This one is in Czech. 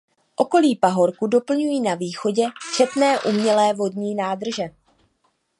Okolí pahorku doplňují na východě četné umělé vodní nádrže.